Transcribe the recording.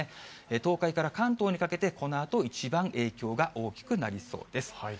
東海から関東にかけて、このあと、一番影響が大きくなりそうです。